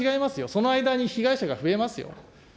その間に被害者が増えますよ。